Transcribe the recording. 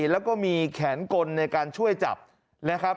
แล้วก็มีแขนกลในการช่วยจับนะครับ